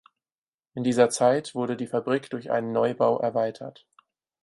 In dieser Zeit wurde die Fabrik durch einen Neubau erweitert.